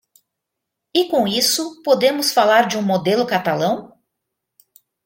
E com isso, podemos falar de um modelo catalão?